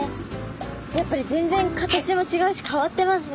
やっぱり全然形も違うし変わってますね。